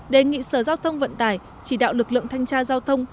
đề nghị sở giao thông vận tải chỉ đạo lực lượng thanh tra giao thông